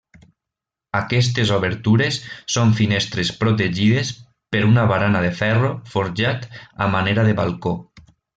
Aquestes obertures són finestres protegides per una barana de ferro forjat a manera de balcó.